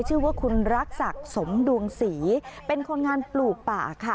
ชื่อว่าคุณรักษักสมดวงศรีเป็นคนงานปลูกป่าค่ะ